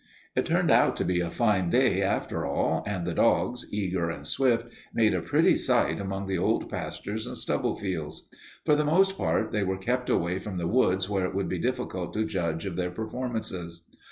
It turned out to be a fine day after all, and the dogs, eager and swift, made a pretty sight among the old pastures and stubble fields. For the most part they were kept away from the woods where it would be difficult to judge of their performances.